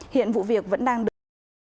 hiện vụ việc vẫn đang được